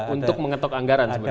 untuk mengetok anggaran sebenarnya